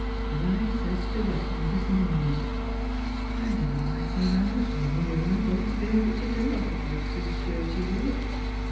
" As I says t' Wessels this mornin', ' I dunno,' I says, ' how much longer I'm goin' t' be able t' do other folks' dirty work.